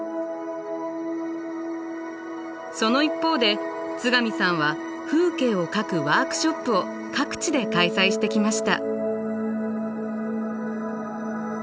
その一方で津上さんは風景を描くワークショップを各地で開催してきました。